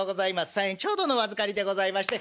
３円ちょうどのお預かりでございまして。